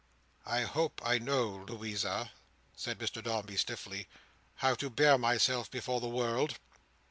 "I hope I know, Louisa," said Mr Dombey, stiffly, "how to bear myself before the world."